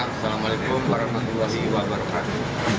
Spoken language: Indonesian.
assalamualaikum warahmatullahi wabarakatuh